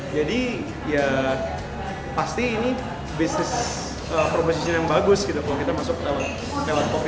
jadi ya pasti ini bisnis proposition yang bagus gitu kalau kita masuk lewat kopi